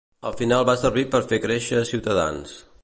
Al final va servir per fer créixer Ciutadans.